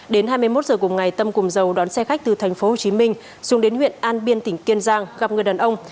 đến hai mươi một giờ cùng ngày tâm cùng giàu đón xe khách từ tp hcm xuống đến huyện an biên tỉnh kiên giang gặp người đàn ông